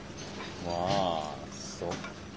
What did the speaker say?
まあそっか。